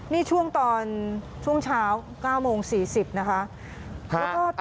นี่ช่วงตอนช่วงเช้า๙โมง๔๐นะคะ